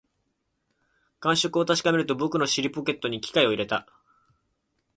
感触を確かめると、僕は尻ポケットに機械を入れた